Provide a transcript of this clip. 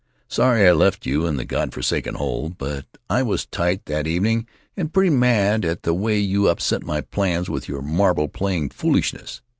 Sorry I left you in that God forsaken hole; but I was tight that evening, and pretty mad at the way you upset my plans with your marble playing foolishness.